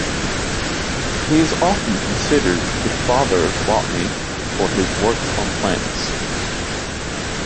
He is often considered the "father of botany" for his works on plants.